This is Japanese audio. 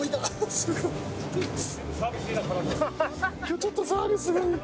今日ちょっとサービスがいい。